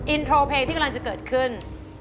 อินโทรเพลงที่กำลังจะเกิดขึ้น